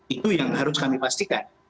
itu yang harus kami pastikan